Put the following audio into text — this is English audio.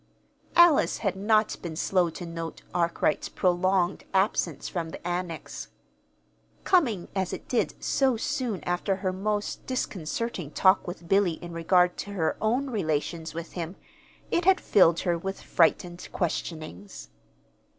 Alice had not been slow to note Arkwright's prolonged absence from the Annex. Coming as it did so soon after her most disconcerting talk with Billy in regard to her own relations with him, it had filled her with frightened questionings.